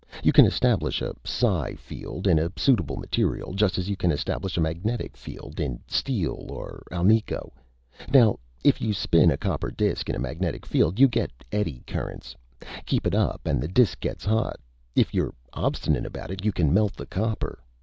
You can establish a psi field in a suitable material, just as you can establish a magnetic field in steel or alnico. Now, if you spin a copper disk in a magnetic field, you get eddy currents. Keep it up, and the disk gets hot. If you're obstinate about it, you can melt the copper.